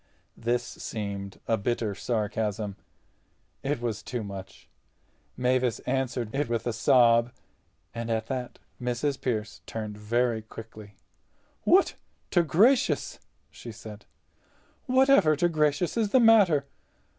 This seemed a bitter sarcasm. It was too much. Mavis answered it with a sob. And at that Mrs. Pearce turned very quickly. "What to gracious!" she said—"whatever to gracious is the matter?